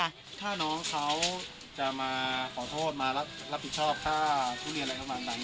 ถ้าน้องเขาจะมาขอโทษมารับผิดชอบค่าทุเรียนอะไรประมาณนั้น